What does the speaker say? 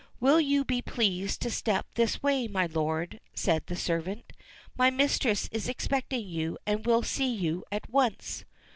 "Will you be pleased to step this way my lord," said the servant. "My mistress is expecting you, and will see you at once."